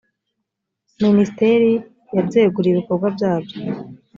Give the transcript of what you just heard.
minisiteriya byaguriye ibikorwa byabyo